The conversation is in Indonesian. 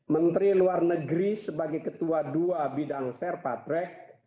menteri luar negeri sebagai ketua dua bidang serpatrek